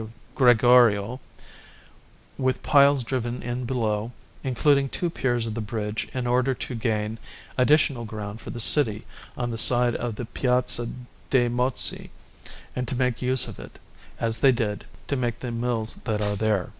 Gregorio, with piles driven in below, including two piers of the bridge in order to gain additional ground for the city on the side of the Piazza de' Mozzi, and to make use of it, as they did, to make the mills that are there.